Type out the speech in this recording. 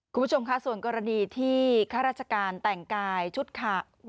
คุณผู้ชมค่ะส่วนกรณีที่ข้าราชการแต่งกายชุดค่ะ